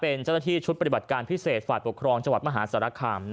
เป็นเจ้าหน้าที่ชุดปฏิบัติการพิเศษฝ่ายปกครองจังหวัดมหาสารคาม